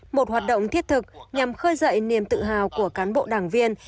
một hoạt động thiết thực nhằm khơi dậy niềm tự hào của cán bộ đảng viên